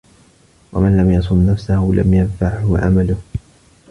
وَمَنْ لَمْ يَصُنْ نَفْسَهُ لَمْ يَنْفَعْهُ عَمَلُهُ